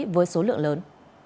với số lượng lớn